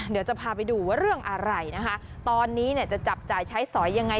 เดี๋ยวจะพาไปดูว่าเรื่องอะไรนะคะตอนนี้เนี่ยจะจับจ่ายใช้สอยยังไง